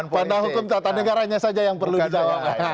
pada hukum tata negaranya saja yang perlu dijawab